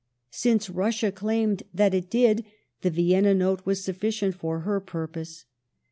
Since Russia claimed that it did, the Vienna Note was sufficient for her purpose.